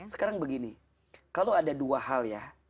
sekarang begini kalau ada dua hal ya